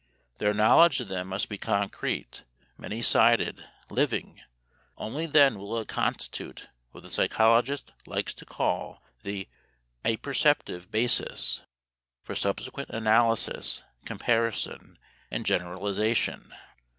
Their knowledge of them must be concrete, many sided, living; only then will it constitute what the psychologist likes to call the "apperceptive basis" for subsequent analysis, comparison, and generalization.